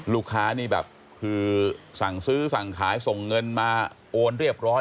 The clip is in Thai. นี่แบบคือสั่งซื้อสั่งขายส่งเงินมาโอนเรียบร้อย